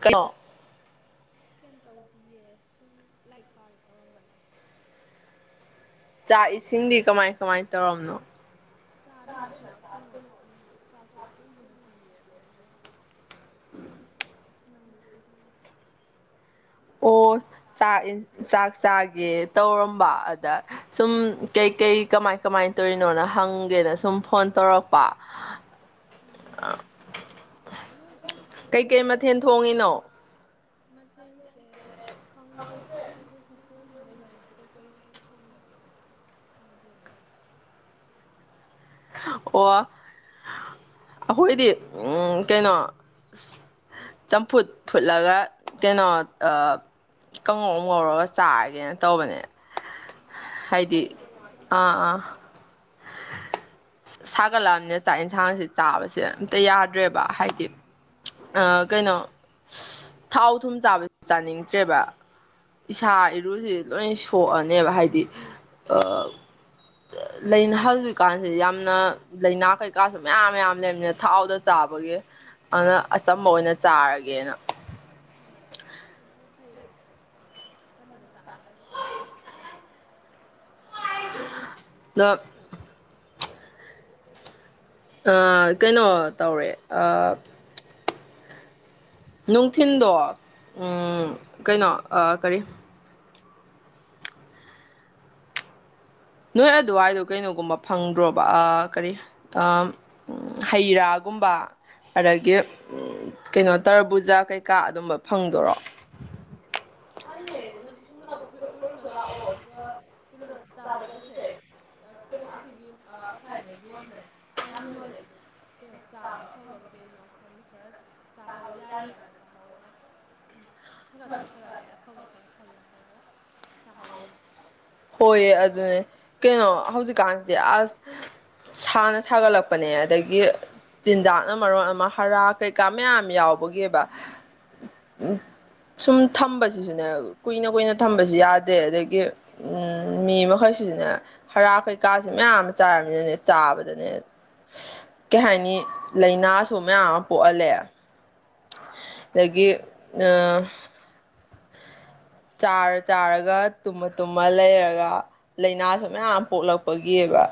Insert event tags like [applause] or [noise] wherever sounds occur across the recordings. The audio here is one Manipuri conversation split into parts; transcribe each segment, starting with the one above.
ꯀꯩꯅꯣ ꯀꯩꯁꯨꯝ ꯇꯧꯗꯤꯌꯦ ꯁꯨꯝ ꯂꯥꯏꯔꯤꯛ ꯄꯥꯒꯦ ꯇꯧꯔꯝꯕꯅꯦ꯫ ꯆꯥꯛ ꯏꯁꯤꯡꯗꯤ ꯀꯃꯥꯏ- ꯀꯃꯥꯏ ꯇꯧꯔꯝꯅꯣ? ꯆꯗꯦꯗꯥ ꯆꯥꯛ ꯀꯩꯅꯣ ꯎꯝ ꯆꯥꯛꯇꯣ [unintelligible] ꯍꯦꯡꯅ ꯄꯤꯌꯦ ꯑꯩꯈꯣꯏꯒꯤ꯫ [inaudible] ꯅꯪꯗꯤ ꯀꯩꯗꯧꯔꯤ ꯑꯣꯥꯛ ꯆꯥꯛ ꯆꯥꯒꯦ ꯇꯧꯔꯝꯕ ꯑꯗ ꯁꯨꯝ ꯀꯩꯀꯩ ꯀꯃꯥꯏ ꯀꯃꯥꯏꯅ ꯇꯧꯔꯤꯅꯣ ꯍꯪ ꯍꯪꯪꯒꯦꯅ ꯁꯨꯝ ꯐꯣꯟ ꯇꯧꯔꯛꯄ ꯀꯩꯀꯩ ꯃꯊꯦꯜ ꯊꯣꯡꯉꯤꯅꯣ ꯃꯊꯦꯟ ꯁꯦ ꯈꯪꯗ꯭ꯔꯦ ꯑꯗꯨ ꯀꯩꯀꯩ ꯍꯣꯁꯇꯦꯜꯗ ꯂꯩꯕꯅꯤꯅ ꯀꯩꯀꯩ ꯊꯣꯡꯕꯅꯣ ꯈꯪꯗꯦꯅꯦ ꯑꯣ ꯑꯩꯈꯣꯏꯗꯤ ꯀꯩꯅꯣ ꯆꯝꯐꯨꯠ ꯐꯨꯠꯂꯒ ꯀꯩꯅꯣ ꯀꯥꯡꯉꯧꯝ ꯉꯧꯔꯒ ꯆꯥꯔꯒꯦꯅ ꯇꯧꯕꯅꯦ ꯑꯣ ꯐꯩ ꯀꯩꯅꯣ ꯆꯝꯐꯨꯠ ꯆꯥꯕꯗꯣ ꯁꯥꯒꯠꯂꯛꯑꯕꯅꯦ ꯆꯥꯛ ꯌꯦꯟꯁꯥꯡꯁꯤꯦ ꯆꯥꯕꯁꯦ ꯑꯝꯇ ꯌꯥꯗ꯭ꯔꯦꯕ ꯍꯥꯏꯗꯤ ꯀꯩꯅꯣ ꯊꯥꯎ ꯊꯨꯝ ꯆꯥꯕꯁꯤ ꯆꯥꯅꯤꯡꯗ꯭ꯔꯦꯕ ꯏꯁꯥ ꯏꯔꯨꯁꯤ ꯂꯣꯏ ꯁꯣꯛꯑꯅꯦꯕ ꯍꯥꯏꯗꯤ ꯂꯩ ꯍꯧꯖꯤꯛꯀꯥꯟꯁꯤꯦ ꯌꯥꯝ ꯑꯗꯨꯅ ꯂꯥꯏꯅꯥ ꯀꯩꯀꯥꯁꯨ ꯃꯌꯥꯝ ꯃꯌꯥꯝ ꯂꯩꯅ ꯊꯥꯎꯗ ꯆꯥꯕꯒꯤ ꯑꯗꯨꯅ ꯑꯆꯝꯕ ꯑꯣꯏꯅ ꯆꯥꯔꯒꯦꯅ ꯍꯩꯗ ꯁꯝꯕꯅ ꯆ ꯅ [unintelligible] ꯀꯩꯅꯣ ꯇꯧꯔꯦ ꯅꯨꯡꯊꯤꯟꯗꯣ ꯀꯩꯅꯣ ꯀꯔꯤ ꯅꯣꯏ ꯑꯗꯨꯋꯥꯏꯗꯣ ꯀꯩꯅꯣꯒꯨꯝꯕ ꯐꯪꯗ꯭ꯔꯣꯕ ꯀꯔꯤ ꯍꯩ ꯔꯥꯒꯨꯝꯕ ꯑꯗꯒꯤ ꯀꯩꯅꯣ ꯇꯔꯕꯨꯖꯥ ꯀꯩꯀꯥ ꯑꯗꯨꯝꯕ ꯐꯪꯗꯣꯔꯣ ꯐꯪꯉꯦ ꯅꯪꯁꯨ ꯁꯣꯝ ꯑꯩꯈꯣꯏꯔꯣꯝꯗ ꯂꯥꯛꯑꯣ ꯑꯗꯨꯒ ꯀꯩꯅꯣ ꯆꯥꯕ ꯆꯠꯂꯨꯁꯦ ꯀꯩꯅꯣ ꯑꯁꯤꯒꯤ ꯑꯁ꯭ꯋꯥꯏꯗ ꯌꯣꯟꯕꯅꯦ ꯌꯥꯝ ꯌꯣꯜꯂꯦ ꯑꯗꯨ ꯀꯩꯅꯣ ꯆꯥꯕ ꯑꯐꯕ ꯀꯩ ꯀꯩꯅꯣ ꯈꯪꯗꯦ ꯈꯔ ꯆꯥꯍꯧ ꯌꯥꯔꯤ ꯀꯥꯟꯗ ꯆꯥꯍꯧꯔꯉꯥꯏ ꯁꯒꯠꯛ ꯁꯒꯠꯂꯛ ꯈꯜꯂ ꯈꯜꯂ ꯍꯣꯏꯌꯦ ꯑꯗꯨꯅꯦ ꯀꯩꯅꯣ ꯍꯧꯖꯤꯛꯀꯥꯟꯁꯤꯗꯤ ꯑꯁ ꯁꯥꯅ ꯁꯥꯒꯠꯂꯛꯄꯅꯦ ꯑꯗꯒꯤ ꯆꯤꯟꯖꯥꯛꯅ ꯃꯔꯣꯟ ꯑꯃ ꯍꯥꯔ ꯀꯩꯀꯥ ꯃꯌꯥꯝ ꯌꯥꯎꯕꯒꯤꯕ ꯎꯝ ꯁꯨꯝ ꯊꯝꯕꯁꯤꯁꯨꯅꯦ ꯀꯨꯏꯅ ꯀꯨꯏꯅ ꯊꯝꯕꯁꯨ ꯌꯥꯗꯦ [unintelligible] ꯃꯤ ꯃꯈꯩꯁꯤꯅꯦ ꯍꯥꯔ ꯀꯩꯀꯥꯁꯦ ꯃꯌꯥꯝ ꯑꯃ ꯆꯥꯔꯃꯤꯅꯅꯦ ꯆꯥꯕꯗꯅꯦ ꯀꯩ ꯍꯥꯏꯅꯤ ꯂꯥꯏꯅꯥꯁꯨ ꯃꯌꯥꯝ ꯑꯃ ꯄꯣꯛꯍꯜꯂꯦ ꯗꯒꯤ ꯑ ꯆꯥꯔ ꯆꯥꯔꯒ ꯇꯨꯝꯃ ꯇꯨꯝꯃ ꯂꯩꯔꯒ ꯂꯩꯅꯥꯁꯨ ꯃꯌꯥꯝ ꯄꯣꯛꯂꯛꯄꯒꯤꯑꯕ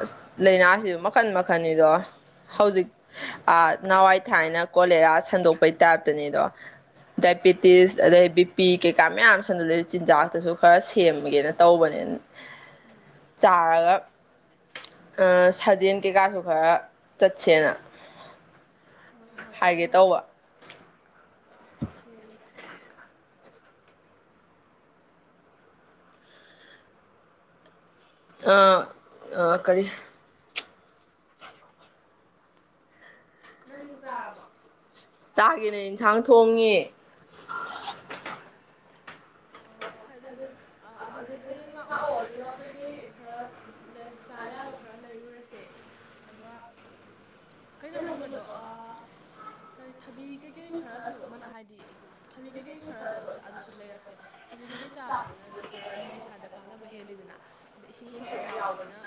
ꯑꯁ ꯂꯩꯅꯥꯁꯤꯁꯨ ꯃꯈꯟ ꯃꯈꯟꯅꯤꯗꯣ ꯍꯧꯖꯤꯛ ꯅꯍꯋꯥꯏ ꯊꯥꯏꯅ ꯀꯣꯂꯦꯔꯥ ꯁꯟꯗꯣꯛꯄꯩ ꯇꯥꯏꯞꯇꯅꯤꯗꯣ ꯗꯥꯏꯕꯤꯇꯤꯁ ꯑꯗꯩ ꯕꯤ ꯀꯩꯀꯥ ꯃꯌꯥꯝ ꯁꯗꯣꯛꯂꯩ ꯆꯤꯟꯖꯥꯛꯇꯁꯨ ꯈꯔ ꯁꯦꯝꯒꯦꯅ ꯇꯧꯕꯅꯦ ꯆꯥꯔꯒ ꯑ ꯁꯥꯖꯦꯜ ꯀꯩꯀꯥꯁꯨ ꯈꯔ ꯆꯠꯁꯦꯅ ꯍꯥꯏꯒꯦ ꯇꯧꯕ ꯆꯠꯁꯦ ꯑ ꯑ ꯀꯔꯤ ꯆꯥꯒꯦꯅ ꯏꯟꯁꯥꯡ ꯊꯣꯡꯉꯤꯌꯦ ꯑꯣ ꯑꯗꯨ ꯑ ꯑꯗꯨꯗꯤ ꯍꯌꯦꯡ ꯂꯥꯛꯑꯣ ꯑꯗꯨꯒ ꯀꯩꯀꯩ ꯈꯔ ꯂꯩ ꯆꯥ ꯌꯥꯕ ꯈꯔ ꯂꯩꯔꯨꯔꯁꯦ ꯑꯗꯨꯒ ꯀꯩꯅꯣꯒꯨꯝꯕꯗꯨ ꯑꯥ ꯀꯔꯤ ꯊꯕꯤ ꯀꯩꯀꯩ ꯈꯔꯁꯨ ꯃꯅꯥ ꯍꯥꯏꯗꯤ ꯊꯕꯤ ꯀꯩꯀꯩ ꯈꯔꯗꯨ ꯑꯗꯨ ꯂꯩꯔꯛ ꯁꯦ ꯊꯕꯤ ꯀꯩꯀꯩ ꯆꯥꯕꯗꯨꯅ ꯈꯔ ꯍꯦꯟꯅ ꯏꯁꯥꯗ ꯀꯥꯟꯅꯕ ꯍꯦꯜꯂꯤꯗꯅ ꯑꯗ ꯏꯁꯤꯡ ꯁꯔꯨꯛ ꯌꯥꯝ ꯌꯥꯎꯕꯅꯤꯅ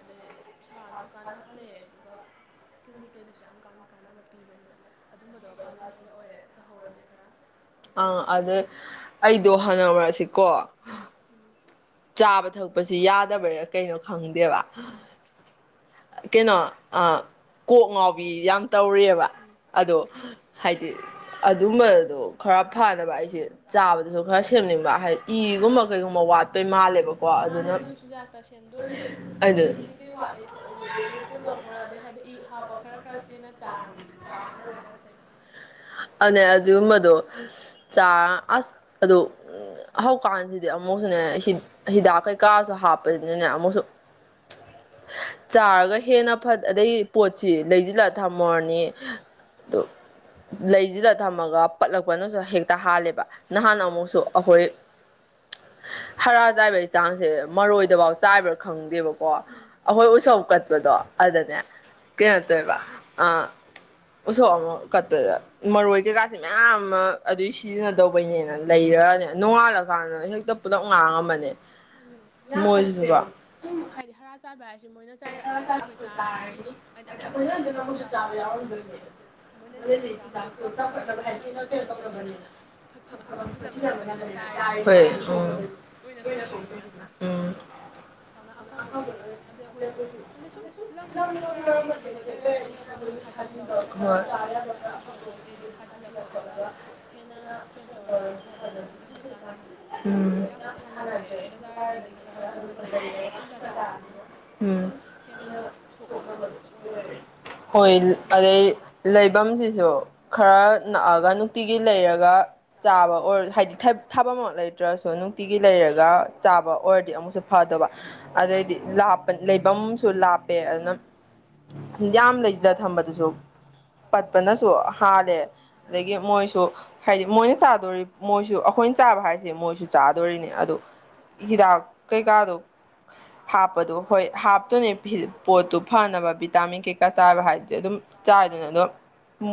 ꯑꯗꯩ ꯏꯁꯥꯗꯁꯨ ꯀꯥꯟꯅꯍꯜꯂꯦ ꯑꯗꯨꯒ ꯏꯁꯀꯤꯟ ꯀꯩ ꯀꯩꯗꯁꯨ ꯌꯥꯝ ꯀꯥꯟ ꯀꯥꯟꯅꯕ ꯄꯤꯕꯅꯤꯅ ꯑꯗꯨꯝꯕꯗꯣ ꯀꯥꯂꯦꯟꯒ ꯑꯣꯏꯔꯦ ꯆꯥꯍꯧꯔꯁꯦ ꯈꯔ ꯑꯗꯨꯝꯕꯗꯣ ꯑꯗꯨꯁꯨ ꯑꯩꯗꯣ ꯍꯥꯟꯗꯃꯔꯛꯁꯤꯀꯣ ꯆꯥꯕ ꯊꯛꯄꯁꯤ ꯌꯥꯗꯕꯩꯔꯥ ꯀꯩꯅꯣ ꯈꯪꯗꯦꯕ ꯀꯩꯅꯣ ꯑ ꯑ ꯀꯣꯛ ꯉꯥꯎꯕꯤ ꯌꯥꯝ ꯇꯧꯔꯤꯌꯦꯕ ꯑꯗꯣ ꯍꯥꯏꯗꯤ ꯑꯗꯨꯝꯕꯗꯣ ꯈꯔ ꯐꯅꯕ ꯑꯩꯁꯦ ꯆꯥꯕꯗ ꯑꯗꯨꯁꯨ ꯈꯔ ꯁꯦꯝꯅꯤꯡꯕ ꯍꯥꯏꯗꯤ ꯏꯒꯨꯝꯕ ꯀꯩꯒꯨꯝꯕ ꯋꯥꯠ ꯃꯥꯅꯦ ꯑꯗꯨ ꯆꯤꯟꯖꯥꯛꯇ ꯁꯦꯝꯗꯣꯅꯦ ꯏ ꯀꯩꯀꯩ ꯋꯥꯠꯂꯤ ꯈꯣꯠꯂꯤꯗꯣ ꯕꯤꯠꯔꯨꯠꯀꯨꯝꯕ ꯈꯔ ꯑꯗꯩ ꯍꯥꯏꯗꯤ ꯏ ꯍꯥꯞꯄ ꯈꯔ ꯈꯔ ꯍꯦꯟꯅ ꯆꯥꯅ ꯆꯥꯅꯕ ꯇꯧꯁꯦ ꯑꯗꯣ ꯑꯝ ꯍꯧꯀꯥꯟꯁꯤꯗꯤ ꯑꯃꯨꯛꯁꯨꯅꯦ ꯍꯤ ꯍꯤꯗꯥꯛ ꯀꯩꯀꯥꯁꯨ ꯍꯥꯞꯄꯅꯤꯅꯅꯦ ꯑꯃꯨꯛꯁꯨ ꯆꯥꯔꯒ ꯍꯦꯟꯅ ꯐꯠ ꯑꯗꯩ ꯄꯣꯠꯁꯤ ꯂꯩꯖꯤꯜꯂ ꯊꯝꯃꯨꯔꯅꯤ ꯑꯗꯨ ꯂꯩꯖꯤꯜꯂ ꯊꯝꯃꯒ ꯄꯠꯂꯛꯄꯅꯁꯨ ꯍꯦꯛꯇ ꯍꯥꯜꯂꯦꯕ ꯅꯍꯥꯟ ꯑꯃꯨꯛꯁꯨ ꯑꯩꯈꯣꯏ ꯍꯥꯔꯥ ꯆꯥꯏꯕꯩ ꯆꯥꯡꯁꯦ ꯃꯔꯣꯏꯗꯕꯥꯎ ꯆꯥꯏꯕ꯭ꯔꯥ ꯈꯪꯗꯦꯕꯀꯣ ꯑꯩꯈꯣꯏ ꯎꯁꯣꯞ ꯀꯠꯄꯗꯣ ꯑꯗꯨꯗꯅꯦ ꯀꯩꯅꯣ ꯇꯧꯋꯦꯕ ꯑ ꯎꯁꯣꯞ ꯑꯃ ꯀꯠꯄꯗ ꯃꯔꯣꯏ ꯀꯩꯀꯥꯁꯦ ꯃꯌꯥꯝ ꯑꯃ ꯑꯗꯨꯏ ꯁꯤꯖꯤꯟꯅꯗꯧꯕꯩꯅꯦꯅ ꯂꯩꯔꯅꯦ ꯅꯣꯡꯉꯥꯜꯂꯀꯥꯟꯗ ꯍꯦꯛꯇ ꯄꯨꯂꯞ ꯑꯗꯨꯅꯤ ꯌꯥꯝ ꯐꯠꯇ꯭ꯔꯦꯕ ꯁꯨꯝ ꯍꯥꯏꯗꯤ ꯍꯥꯔꯥ ꯆꯥꯏꯕ ꯍꯥꯏꯁꯦ ꯃꯣꯏꯅ ꯆꯥꯏꯔꯛꯑꯒ ꯑꯩꯈꯣꯏ ꯆꯥꯔꯅꯤ ꯍꯥꯏꯗꯤ ꯑꯩꯈꯣꯏꯗ ꯅꯠꯇꯅ ꯃꯣꯏꯁꯨ ꯆꯥꯕ ꯌꯥꯎꯔꯝꯗꯣꯏꯅꯦ ꯑꯗꯨ ꯃꯣꯏꯅꯗꯤ ꯆꯤꯟꯖꯥꯛꯇꯣ ꯆꯥꯎꯈꯠꯅꯕ ꯍꯥꯏꯗꯤ ꯍꯦꯟꯅ ꯀꯩꯅꯣ ꯇꯧꯅꯕꯅꯦꯅ ꯐ ꯐ ꯃꯁꯛ ꯐꯖꯅꯕꯅꯦꯅ ꯆꯥꯏꯔꯤꯕ ꯑꯗꯨ ꯁꯣꯛꯄꯗꯗꯤ ꯂꯣꯏꯅ ꯁꯣꯛꯇꯣꯏꯅꯤꯅ ꯑꯗꯨꯅ ꯑꯐꯕꯗ ꯑꯗ ꯑꯗꯩ ꯑꯩꯈꯣꯏꯁꯨ ꯑꯗꯨꯗꯤ ꯁꯨꯝ ꯂꯝꯒ ꯈꯔ ꯃꯇꯦꯛ ꯃꯇꯦꯛ ꯂꯩꯔꯗꯤ ꯍꯦꯟꯅ ꯑꯩꯈꯣꯏꯅꯁꯨ ꯊꯥꯖꯤꯟꯕ ꯈꯔ ꯆꯥ ꯌꯥꯕ ꯈꯔ ꯑꯐꯕ ꯀꯩꯀꯩꯗꯣ ꯊꯥꯖꯤꯜꯂ ꯈꯣꯠꯂꯒ ꯍꯦꯟꯅ ꯀꯩꯅꯣ ꯇꯧꯔꯁꯨ ꯐꯗꯣꯅꯤ ꯑꯗꯣ ꯍꯧꯖꯤꯛꯀꯥꯟꯗꯤ ꯌꯥꯝꯁꯨ ꯊꯥꯅꯗ꯭ꯔꯦ ꯕꯖꯥꯔꯗꯒꯤ ꯈꯔ ꯑꯗꯨꯝꯕ ꯂꯩꯔꯒ ꯄꯨꯡꯖꯥ ꯆꯥꯔꯃꯤꯅ ꯑꯗꯨꯝ ꯑꯟꯏꯟꯇꯦꯜꯂꯤꯖꯦꯕꯜ ꯍꯣꯏ ꯑꯗꯩ ꯑꯗꯩ ꯂꯩꯕꯝꯁꯤꯁꯨ ꯈꯔ ꯅꯛꯑꯒ ꯅꯨꯡꯇꯤꯒꯤ ꯂꯩꯔꯒ ꯆꯥꯕ ꯑꯣꯏꯔ ꯍꯥꯏꯗꯤ ꯊꯥ ꯊꯥꯕꯝꯃꯛ ꯂꯩꯇ꯭ꯔꯁꯨ ꯅꯨꯡꯇꯤꯒꯤ ꯂꯩꯔꯒ ꯆꯥꯕ ꯑꯣꯏꯔꯗꯤ ꯑꯃꯨꯛꯁꯨ ꯐꯗꯣꯕ ꯑꯗꯩꯗꯤ ꯂꯥꯞꯄ ꯂꯩꯕꯝꯁꯨ ꯂꯥꯞꯄꯦ ꯑꯗꯨꯅ ꯌꯥꯝ ꯂꯩꯖꯤꯜꯂ ꯊꯝꯕꯗꯨꯁꯨ ꯄꯠꯄꯅꯁꯨ ꯍꯥꯜꯂꯦ ꯑꯗꯒꯤ ꯃꯣꯏꯁꯨ ꯍꯥꯏꯗꯤ ꯃꯣꯏꯅ ꯆꯥꯗꯣꯔꯤ ꯃꯣꯏꯁꯨ ꯑꯩꯈꯣꯏꯅ ꯆꯥꯕ ꯍꯥꯏꯔꯤꯁꯦ ꯃꯣꯏꯁꯨ ꯆꯥꯗꯣꯔꯤꯅꯦ ꯑꯗꯨ ꯍꯤꯗꯥꯛ ꯀꯩꯀꯥꯗꯣ ꯍꯥꯞꯄꯗꯣ ꯍꯣꯏ ꯍꯥꯞꯇꯨꯅꯦ ꯄꯣꯠꯇꯨ ꯐꯅꯕ ꯚꯤꯇꯥꯃꯤꯟ ꯀꯩꯀꯥ ꯆꯥꯕ ꯍꯥꯏꯔꯗꯤ ꯑꯗꯨꯝ ꯆꯥꯏꯗꯣꯏꯅꯦ ꯑꯗꯣ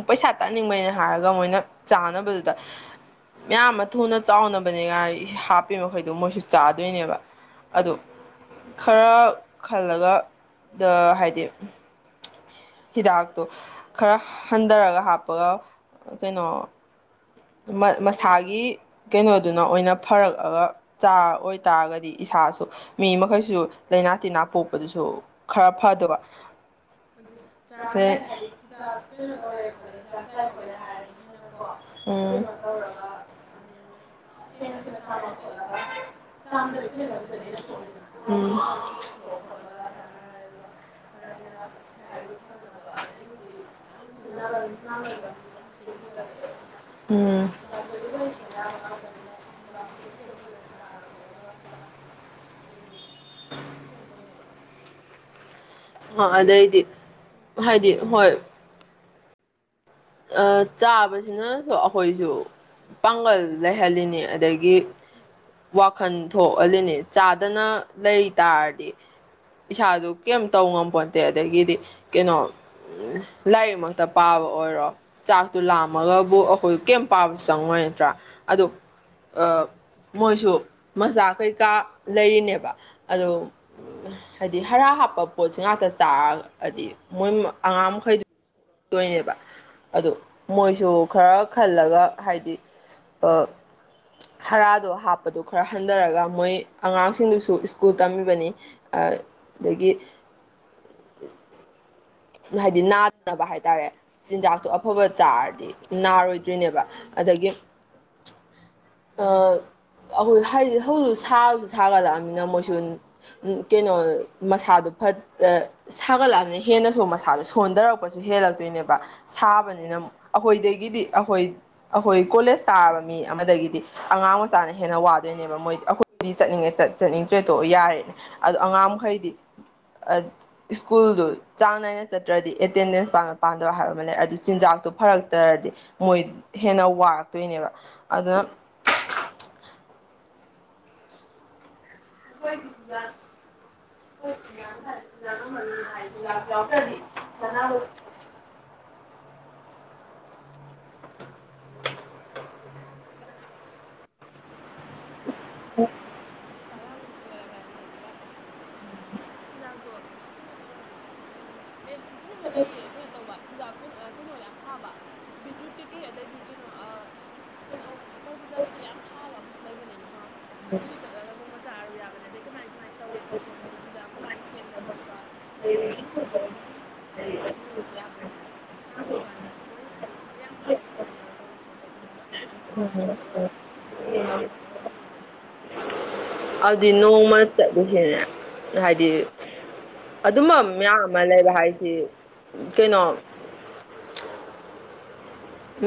ꯄꯩꯁꯥ ꯇꯥꯅꯤꯡꯕꯩꯅ ꯍꯥꯏꯔꯒ ꯃꯣꯏꯅ ꯆꯥꯅꯕꯗꯨꯗ ꯃꯌꯥꯝ ꯑꯃ ꯊꯨꯅ ꯆꯥꯎꯅꯕꯅꯤ ꯉꯥꯏ ꯍꯥꯞꯄꯤ ꯃꯈꯩꯗꯨ ꯃꯣꯏꯁꯨ ꯆꯥꯗꯣꯏꯅꯦꯕ ꯑꯗꯨ ꯈꯔ ꯈꯜꯂꯒ ꯗ ꯍꯥꯏꯗꯤ ꯍꯤꯗꯥꯛꯇꯣ ꯈꯔ ꯍꯟꯊꯔꯒ ꯍꯥꯞꯄꯒ ꯀꯩꯅꯣ ꯃꯁꯥꯒꯤ ꯀꯩꯅꯣꯗꯨꯅ ꯑꯣꯏꯅ ꯐꯔꯛꯑꯒ ꯆꯥꯔ ꯑꯣꯏꯇꯥꯥꯔꯒꯗꯤ ꯏꯁꯥꯁꯨ ꯃꯤ ꯃꯈꯩꯁꯨ ꯂꯥꯏꯅꯥ ꯇꯤꯟꯅꯥ ꯄꯣꯛꯄꯗꯨꯁꯨ ꯈꯔ ꯐꯗꯧꯕ ꯆꯥꯔꯝꯗꯥꯏꯗ ꯍꯥꯏꯗꯤ ꯍꯤꯗꯥꯛ ꯀꯩꯅꯣ ꯇꯧꯋꯦ ꯈꯣꯠꯂꯦ ꯍꯤꯗꯥꯛ ꯆꯥꯏ ꯈꯣꯠꯂꯦ ꯍꯥꯏꯔꯗꯤ ꯍꯦꯟꯅꯀꯣ ꯀꯩꯅꯣ ꯇꯧꯔꯒ ꯁꯦꯡꯅ ꯁꯦꯡꯅ ꯆꯥꯝꯃ ꯈꯣꯠꯂꯒ ꯆꯥꯝꯗꯕꯤ ꯀꯩꯀ ꯆꯥꯁꯤꯜꯂꯗꯤ ꯍꯦꯟꯅ ꯁꯣꯛꯅꯤꯗꯅ ꯑꯗ ꯆꯥꯝꯊꯣꯛ ꯐꯖꯅ ꯁꯦꯡꯅ ꯆꯥꯊꯣꯛꯑ ꯈꯣꯠꯂꯒ ꯆꯥꯅꯔ ꯍꯥꯏꯔꯒ ꯈꯔ ꯍꯦꯟꯅ ꯏꯁꯥ ꯏꯔꯨ ꯀꯅꯕ ꯑꯗꯩ ꯍꯧꯖꯤꯛꯇꯤ ꯌꯥꯝꯁꯨ ꯅꯥ ꯅꯥꯒꯟꯕꯁꯤꯁꯨ ꯌꯥꯝ ꯃꯁꯤꯡ ꯍꯦꯟꯒꯠꯂꯛꯑꯦ ꯑꯗꯨꯅ ꯆꯤꯟꯖꯥꯛꯇꯒꯤ ꯂꯣꯏ ꯁꯦꯝ ꯌꯥꯕ ꯉꯥꯛꯇꯅꯤꯅ ꯆꯤꯟꯖꯥꯛꯇꯨ ꯐꯖ ꯐꯖꯅ ꯆꯥꯔ ꯈꯣꯠꯂꯒ ꯍꯤꯗꯥꯛ ꯎꯝ ꯀꯩꯅꯣ ꯇꯧꯅꯕ ꯍꯣꯏ ꯍꯥꯏꯗꯤ ꯍꯣꯏ ꯆꯥꯕꯁꯤꯅꯁꯨ ꯑꯩꯈꯣꯏꯁꯨ ꯄꯥꯡꯒꯜ ꯂꯩꯍꯜꯂꯤꯅꯤ ꯑꯗꯒꯤ ꯋꯥꯈꯜ ꯊꯣꯛꯍꯜꯂꯤꯅꯤ ꯆꯥꯗꯅ ꯂꯩ ꯇꯥꯔꯗꯤ ꯏꯁꯥꯗꯨ ꯀꯩꯝ ꯇꯧꯉꯝꯄꯣꯠꯇꯦ ꯑꯗꯒꯤꯗꯤ ꯀꯩꯅꯣ ꯂꯥꯏꯔꯤꯛꯃꯛꯇ ꯄꯥꯕ ꯑꯣꯏꯔꯣ ꯆꯥꯛꯇꯨ ꯂꯥꯝꯃꯒꯕꯨ ꯑꯩꯈꯣꯏ ꯀꯩ ꯄꯥꯕꯁꯨ ꯆꯪꯉꯣꯏ ꯅꯠꯇ꯭ꯔꯥ ꯑꯗꯨ ꯃꯣꯏꯁꯨ ꯃꯆꯥ ꯀꯩꯀꯥ ꯂꯩꯔꯤꯅꯦꯕ ꯑꯗꯨ ꯍꯥꯏꯗꯤ ꯍꯥꯔ ꯍꯥꯞꯄ ꯄꯣꯠꯁꯤ ꯉꯥꯛꯇ ꯆꯥꯔꯒ ꯍꯥꯏꯗꯤ ꯃꯣꯏ ꯑꯉꯥꯡ ꯃꯈꯩꯗꯨ ꯇꯣꯏꯅꯦꯕ ꯑꯗꯨ ꯃꯣꯏꯁꯨ ꯈꯔ ꯈꯜꯂꯒ ꯍꯥꯏꯗꯤ ꯍꯥꯔꯗꯣ ꯍꯥꯞꯄꯗꯣ ꯈꯔ ꯍꯟꯊꯔꯒ ꯃꯣꯏ ꯑꯉꯥꯡꯁꯤꯡꯗꯨꯁꯨ ꯁ꯭ꯀꯨꯜ ꯇꯝꯃꯤꯕꯅꯤ ꯑꯗꯒꯤ ꯍꯥꯏꯗꯤ ꯅꯥꯗꯅꯕ ꯍꯥꯏꯇꯥꯔꯦ ꯆꯤꯟꯖꯥꯛꯇꯣ ꯑꯐꯕ ꯆꯥꯔꯗꯤ ꯅꯥꯔꯣꯏꯗ꯭ꯔꯤꯅꯦꯕ ꯑꯗꯒꯤ ꯍꯥꯏꯗꯤ ꯍꯧꯖꯤꯛ ꯁꯥꯁꯨ ꯁꯥꯒꯠꯂꯛꯑꯕꯅꯤꯅ ꯃꯣꯏꯁꯨ ꯀꯩꯅꯣ ꯃꯁꯥꯗꯣ ꯐ ꯁꯥꯒꯠꯂꯛꯑꯕꯅꯤꯅ ꯍꯦꯟꯅ ꯃꯁꯥꯗ ꯁꯣꯟꯊꯔꯛꯄꯁꯨ ꯍꯦꯜꯂꯛꯇꯣꯏꯅꯦꯕ ꯁꯥꯕꯅꯤꯅ ꯑꯩꯈꯣꯏꯗꯒꯤꯗꯤ ꯑꯩꯈꯣꯏ ꯑꯩꯈꯣꯏ ꯀꯣꯂꯦꯖ ꯇꯥꯕ ꯃꯤ ꯑꯃꯗꯒꯤꯗꯤ ꯑꯉꯥꯡ ꯃꯆꯥꯅ ꯍꯦꯟꯅ ꯋꯥꯗꯣꯏꯅꯦꯕ ꯃꯣꯏꯗꯤ ꯑꯩꯈꯣꯏꯗꯤ ꯆꯠꯅꯤꯡꯉꯦ ꯆꯠꯅꯤꯡꯗ꯭ꯔꯦ ꯇꯣꯛ ꯌꯥꯔꯦꯅꯦ ꯑꯗꯣ ꯑꯉꯥꯡ ꯃꯈꯩꯗꯤ ꯁ꯭ꯀꯨꯜꯗꯨ ꯆꯥꯡ ꯅꯥꯏꯅ ꯆꯠꯇ꯭ꯔꯗꯤ ꯑꯦꯇꯦꯟꯗꯦꯟꯁ ꯄꯥꯟꯕ ꯄꯥꯟꯗꯕ ꯍꯥꯏꯕ ꯑꯃ ꯂꯩ ꯑꯗꯨ ꯆꯤꯟꯖꯥꯛꯇꯨ ꯐꯔꯛꯇ꯭ꯔꯗꯤ ꯃꯣꯏ ꯍꯦꯟꯅ ꯋꯥꯔꯛꯇꯣꯏꯅꯦꯕ ꯑꯗꯨꯅ ꯑꯩꯈꯣꯏꯗꯤ ꯆꯤꯟꯖꯥꯛ ꯍꯣꯏ ꯆꯤꯟꯖꯥꯛꯅ ꯐ ꯆꯤꯟꯖꯥꯛꯅ ꯃꯔꯨꯏꯗ ꯍꯥꯏꯗꯤ ꯆꯤꯟꯖꯥꯛꯇ ꯌꯥꯎꯗ꯭ꯔꯗꯤ ꯁꯥꯟꯅꯕ [inaudible] ꯆ ꯎ ꯑꯩꯁꯥ ꯅꯥꯕꯁꯨ ꯍꯦꯟꯒꯠꯂꯛꯀꯅꯤ ꯑꯗꯨꯒ ꯆꯤꯟꯖꯥꯛꯇꯣ ꯀꯩꯅꯣ ꯇꯧꯔꯗꯤꯀꯣ ꯎ ꯑꯦ ꯃꯐꯝ ꯑꯃ ꯂꯩꯌꯦ ꯀꯩꯅꯣ ꯇꯧꯕ ꯆꯤꯟꯖꯥꯛ ꯀꯩꯅꯣ ꯌꯥꯝ ꯊꯥꯕ ꯕꯤꯠꯔꯨꯠ ꯀꯩꯀꯩ ꯑꯗꯩꯗꯤ ꯀꯩꯅꯣ ꯀꯩꯅꯣꯇꯔ ꯄꯨꯖꯥ ꯀꯩꯀꯩ ꯌꯥꯝ ꯊꯥꯕ ꯑꯃꯁꯨ ꯂꯩꯕꯅꯦ ꯃꯐꯝ ꯑꯗꯨꯏ ꯆꯠꯂꯒ ꯅꯣꯡꯃ ꯆꯥꯔꯨ ꯌꯥꯕꯅꯦ ꯑꯗꯩ ꯀꯃꯥꯏ ꯀꯃꯥꯏꯅ ꯇꯧꯒꯦ ꯈꯣꯠꯀꯦ ꯃꯣꯏ ꯆꯤꯟꯖꯥꯛ ꯀꯃꯥꯏꯅ ꯁꯦꯝꯕ ꯈꯣꯠꯄ ꯑꯗꯩ ꯌꯦꯡꯊꯣꯛꯄ ꯑꯣꯏꯅ ꯁꯨꯝ ꯍꯥꯏꯗꯤ ꯆꯠꯂꯨꯔꯁꯨ ꯌꯥꯕꯅꯦ ꯑꯗꯨꯗ ꯌꯥꯝꯁꯨ ꯀꯥꯟꯅ ꯃꯣꯏ ꯍꯥꯏꯗꯤ ꯌꯥꯝ ꯐꯩ ꯑꯗꯨꯃꯥꯏꯅꯒ ꯇꯧꯕꯗꯣꯀꯣ ꯆꯤꯟꯖꯥꯛ ꯃ ꯌꯥꯝ ꯊꯥꯔ ꯈꯣꯠꯂꯒ ꯁꯦꯝꯃ ꯈꯣꯠꯂꯒ ꯇꯧꯕꯗꯣ ꯑꯗꯨꯗꯤ ꯅꯣꯡꯃ ꯆꯠꯂꯨꯁꯦꯅ ꯫ ꯍꯥꯏꯗꯤ ꯑꯗꯨꯝꯕ ꯃꯌꯥꯝ ꯑꯃ ꯂꯩꯕ ꯍꯥꯏꯁꯤ ꯀꯩꯅꯣ [inaudible]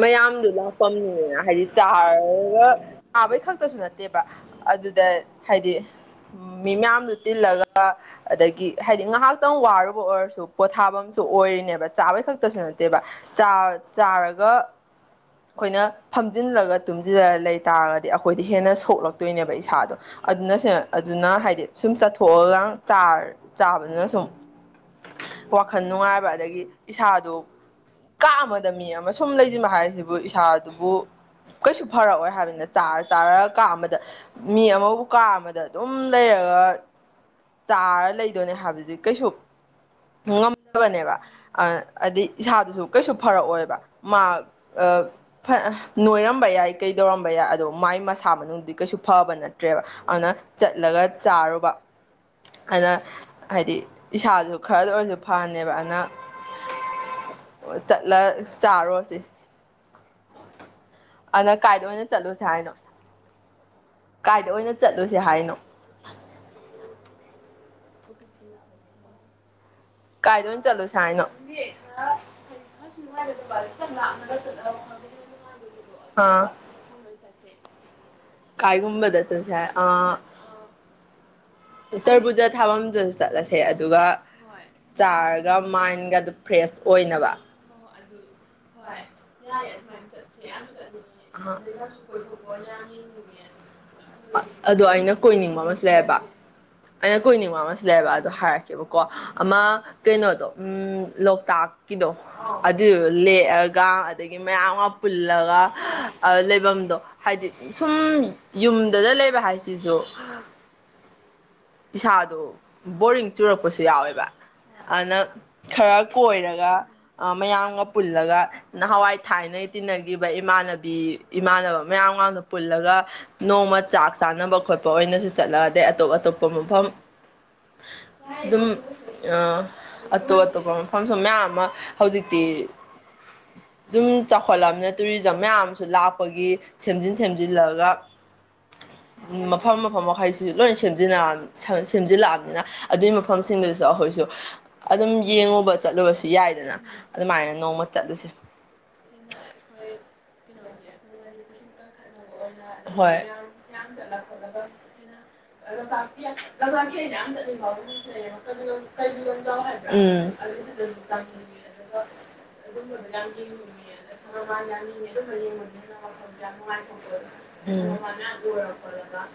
ꯃꯌꯥꯝꯗꯨ ꯂꯥꯛꯄꯅꯦ ꯍꯥꯏꯗꯤ ꯆꯥꯔꯒ ꯆꯥꯕꯩ ꯈꯛꯇꯁꯨ ꯅꯠꯇꯦꯕ ꯑꯗꯨꯗ ꯍꯥꯏꯗꯤ ꯃꯤ ꯃꯌꯥꯝꯗꯨ ꯇꯤꯜꯂꯒ ꯑꯗꯒꯤ ꯍꯥꯏꯗꯤ ꯉꯥꯏꯍꯥꯛꯇꯪ ꯋꯥꯔꯨꯕ ꯑꯣꯏꯔꯁꯨ ꯄꯣꯊꯕꯥꯝꯁꯨ ꯑꯣꯏꯔꯤꯅꯦꯕ ꯆꯥꯕꯩ ꯈꯛꯇꯁꯨ ꯅꯠꯇꯅꯥ ꯆꯥ ꯆꯥꯔꯒꯥ ꯑꯩꯈꯣꯏꯅ ꯐꯝꯖꯤꯜꯂꯒ ꯇꯨꯝꯁꯤꯜꯂꯒ ꯂꯩ ꯇꯥꯔꯒꯗꯤ ꯑꯩꯈꯣꯏꯗꯤ ꯍꯦꯟꯅ ꯁꯣꯛꯂꯛꯇꯣꯏꯅꯦꯕ ꯏꯁꯥꯗꯣ ꯑꯗꯨꯅꯁꯨ ꯑꯗꯨꯅ ꯍꯥꯏꯗꯤ ꯁꯨꯝ ꯆꯠꯊꯣꯛꯑꯒ ꯆꯥꯕꯗꯨꯅ ꯁꯨꯝ ꯋꯥꯈꯜ ꯅꯨꯡꯉꯥꯏꯕ ꯑꯗꯒꯤ ꯏꯁꯥꯗꯨ ꯀꯥ ꯑꯃꯗ ꯃꯤ ꯑꯃ ꯁꯨꯝ ꯂꯩꯁꯤꯟꯕ ꯍꯥꯏꯔꯤꯁꯤ ꯑꯗꯨꯕꯨ ꯏꯁꯥꯗꯨꯕꯨ ꯀꯩꯁꯨ ꯐꯔꯛꯑꯣꯏ ꯍꯥꯏꯕꯅꯤꯅ ꯆꯥꯔ - ꯆꯥꯔ ꯀꯥ ꯑꯃꯗ ꯃꯤ ꯑꯃꯕꯨ ꯀꯥ ꯑꯃꯗ ꯑꯗꯨꯝ ꯂꯩꯔꯒ ꯆꯥꯔ ꯂꯩꯗꯣꯏꯅꯦ ꯍꯥꯏꯕꯗꯤ ꯀꯩꯁꯨ ꯉꯝꯗꯕꯅꯦꯕ ꯍꯥꯏꯩ ꯏꯁꯥꯗꯨꯁꯨ ꯀꯩꯁꯨ ꯐꯔꯛꯑꯣꯏꯕ ꯃꯥ ꯅꯣꯏꯔꯝꯕ ꯌꯥꯏ ꯀꯩꯗꯧꯔꯝꯕ ꯌꯥꯏ ꯑꯗꯣ ꯃꯥꯏ ꯃꯁꯥ ꯃꯅꯨꯡꯗꯤ ꯀꯩꯁꯨ ꯐꯕ ꯅꯠꯇ꯭ꯔꯦꯕ ꯑꯗꯨꯅ ꯆꯠꯂꯒ ꯆꯥꯔꯨꯕ ꯑꯗꯨꯅ ꯍꯥꯏꯗꯤ ꯏꯁꯥꯁꯨ ꯈꯔꯗ ꯑꯣꯏꯔꯁꯨ ꯐꯅꯦꯕ ꯑꯗꯨꯅ ꯆꯠꯂ ꯆꯥꯔꯨꯔꯁꯤ꯫ ꯑꯗꯨꯅ ꯀꯥꯏꯗ ꯑꯣꯏꯅ ꯆꯠꯂꯨꯁꯦ ꯍꯥꯏꯅꯣ ꯀꯥꯏꯗ ꯑꯣꯏꯅ ꯆꯠꯂꯨꯁꯦ ꯍꯥꯏꯅꯣ? ꯑ ꯈꯪꯗꯦ ꯈꯔ ꯍꯥꯏꯗꯤ ꯈꯔꯁꯨ ꯅꯨꯡꯉꯥꯏꯒꯗꯕ ꯈꯤꯇꯪ ꯂꯥꯞꯅꯒ ꯆꯠꯂꯒ ꯋꯥꯈꯜꯒ ꯍꯦꯟꯅ ꯅꯨꯡꯉꯥꯏꯗꯧꯕꯗꯣ ꯑꯗꯨꯒꯨꯝꯕ ꯃꯐꯝ ꯂ ꯆꯠꯁꯦ ꯀꯥꯏꯒꯨꯟꯕꯗ ꯆꯠꯁꯦ ꯑ ꯇꯔꯕꯨꯖꯥ ꯊꯥꯐꯝꯗꯨꯁꯨ ꯆꯠꯂꯁꯦ ꯑꯗꯨꯒ ꯆꯥꯔꯒ ꯃꯥꯏꯟꯒ ꯑꯗꯨ ꯐ꯭ꯔꯦꯁ ꯑꯣꯏꯅꯕ꯫ ꯑꯗꯨ ꯍꯣꯏ ꯌꯥꯏ ꯑꯗꯨꯃꯥꯏꯅ ꯆꯠꯁꯦ ꯌꯥꯝꯁꯨ ꯆꯠꯅꯤꯡꯉꯦ ꯑꯗꯩ ꯂꯝꯁꯨ ꯀꯣꯏꯊꯣꯛꯄ ꯑꯣꯏꯅ ꯌꯥꯝ ꯌꯦꯡꯅꯤꯡꯉꯦ ꯍꯥꯏꯗꯤ ꯆꯠꯐꯝ ꯈꯣꯠꯄ ꯑꯃꯁꯨ ꯂꯩ ꯑꯩꯅ ꯀꯨꯏꯅꯤꯡ ꯋꯥ ꯑꯃꯁꯨ ꯂꯩꯕ ꯑꯗꯨꯗꯣ ꯍꯥꯏꯔꯛꯀꯦꯕꯀꯣ ꯑꯃ ꯀꯩꯅꯣꯗꯣ ꯎ ꯂꯣꯛꯇꯥꯛꯀꯤꯗꯣ ꯑꯗꯨꯗꯨ ꯂꯦꯛꯑꯒ ꯑꯗꯒꯤ ꯃꯌꯥꯝꯒ ꯄꯨꯜꯂꯒ ꯂꯩꯐꯝꯗꯣ ꯍꯥꯏꯗꯤ ꯁꯨꯝ ꯌꯨꯝꯗꯗ ꯂꯩꯕ ꯍꯥꯏꯁꯤꯁꯨ ꯏꯁꯥꯗꯣ ꯕꯣꯔꯤꯡ ꯆꯨꯔꯛꯄꯁꯨ ꯌꯥꯎꯋꯦꯕ ꯑꯗꯨꯅ ꯈꯔ ꯀꯣꯏꯔꯒ ꯃꯌꯥꯝꯒ ꯄꯨꯜꯂꯒ ꯅꯍꯋꯥꯏ ꯊꯥꯏꯅ ꯇꯤꯟꯅꯈꯤꯕ ꯏꯃꯥꯟꯅꯕꯤ ꯏꯃꯥꯟꯅꯕ ꯃꯌꯥꯝꯒꯅ ꯄꯨꯜꯂꯒ ꯅꯣꯡꯃ ꯆꯥꯛ ꯆꯥꯅꯕ ꯈꯣꯠꯄ ꯑꯣꯏꯅꯁꯨ ꯆꯠꯂꯒ ꯑꯗꯩ ꯑꯇꯣꯞ ꯑꯇꯣꯞꯄ ꯃꯐꯝ ꯑꯗꯨꯝ ꯑꯇꯣꯞ ꯑꯇꯣꯞꯄ ꯃꯐꯝꯁꯨ ꯃꯌꯥꯝ ꯑꯃ ꯍꯧꯖꯤꯛꯇꯤ ꯁꯨꯝ ꯆꯥꯎꯈꯠꯂꯝꯅ ꯇꯨꯔꯤꯖꯝ ꯃꯌꯥꯝꯁꯨ ꯂꯥꯛꯄꯒꯤ ꯁꯦꯝꯖꯤꯟ ꯁꯦꯝꯖꯤꯜꯂꯒ ꯃꯐꯝ ꯃꯐꯝ ꯃꯈꯩꯁꯤ ꯂꯣꯏꯅ ꯁꯦꯝꯖꯤꯟꯅꯔꯝꯃꯦ ꯁꯦꯝꯖꯤꯜꯂꯛꯑꯕꯅꯤꯅ ꯑꯗꯨꯏ ꯃꯐꯝꯁꯤꯡꯗꯨꯁꯨ ꯑꯩꯈꯣꯏꯁꯨ ꯑꯗꯨꯝ ꯌꯦꯡꯉꯨꯕ ꯆꯠꯂꯨꯕꯁꯨ ꯌꯥꯏꯗꯅ ꯑꯗꯨꯃꯥꯏꯅ ꯅꯣꯡꯃ ꯆꯠꯂꯨꯁꯦ ꯍꯦꯟꯅ ꯑꯩꯈꯣꯏ ꯀꯩꯅꯣꯁꯦ ꯑꯩꯈꯣꯏ ꯃꯅꯤꯄꯨꯔ ꯁꯨꯝ ꯀꯟꯈꯠ ꯆꯅꯕ ꯑꯣꯏꯅ ꯑꯗꯩꯗꯤ ꯃꯌꯥꯝ ꯃꯌꯥꯝ ꯆꯠꯂ ꯈꯣꯠꯂꯒ ꯍꯦꯟꯅ ꯂꯣꯛꯇꯥꯛꯀꯤ ꯂꯣꯛꯇꯥꯛꯀꯤ ꯑꯩꯅ ꯌꯥꯝ ꯆꯠꯅꯤꯡꯕ ꯃꯐꯝꯁꯨ ꯂꯩꯌꯦ ꯀꯩꯕꯨꯜ ꯂꯝꯖꯥꯎ ꯍꯥꯏꯕ꯭ꯔꯥ ꯑꯗꯨꯏꯗꯨꯗꯁꯨ ꯆꯪꯅꯤꯡꯉꯦ ꯑꯗꯨꯒ ꯑꯗꯨꯝꯕꯗꯣ ꯌꯥꯝ ꯌꯦꯡꯅꯤꯡꯉꯦ ꯑꯁꯪ ꯑꯃꯥꯟ ꯌꯥꯝ ꯌꯦꯡꯅꯤꯡꯉꯦ ꯑꯗꯨꯝꯕ ꯌꯦꯡꯕꯗꯨꯅ ꯍꯦꯟꯅ ꯋꯥꯈꯜꯁꯨ ꯌꯥꯝ ꯅꯨꯡꯉꯥꯏꯊꯣꯛꯄ ꯄꯣꯠꯇꯣ ꯍꯥꯏ ꯁꯪ ꯑꯃꯥꯟ ꯃꯌꯥꯝ ꯎꯔ ꯈꯣꯠꯂꯒ